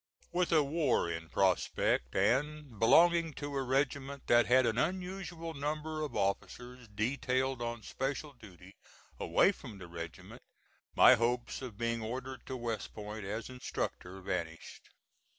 With a war in prospect, and belonging to a regiment that had an unusual number of officers detailed on special duty away from the regiment, my hopes of being ordered to West Point as instructor vanished.